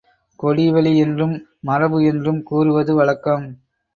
கொடிவழி என்றும், மரபு என்றும் கூறுவது வழக்கம்.